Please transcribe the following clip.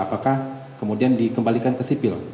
apakah kemudian dikembalikan ke sipil